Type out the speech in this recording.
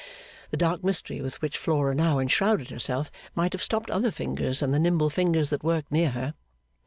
The dark mystery with which Flora now enshrouded herself might have stopped other fingers than the nimble fingers that worked near her.